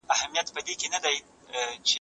نور د سپي امتیاز نه سمه منلای